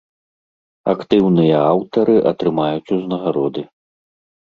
Актыўныя аўтары атрымаюць узнагароды.